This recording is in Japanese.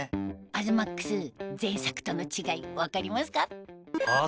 東ＭＡＸ前作との違い分かりますか？